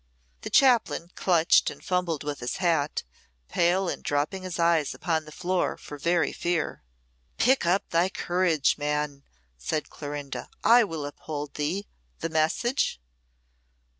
The chaplain clutched and fumbled with his hat, pale, and dropping his eyes upon the floor, for very fear. "Pluck up thy courage, man," said Clorinda. "I will uphold thee. The message?"